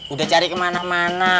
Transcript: udah cari kemana mana